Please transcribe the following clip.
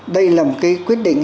đây là một cái quyết định